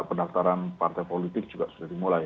pendaftaran partai politik juga sudah dimulai